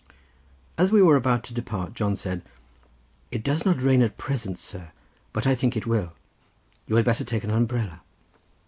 As we were about to depart John said, "It does not rain at present, sir, but I think it will. You had better take an umbrella."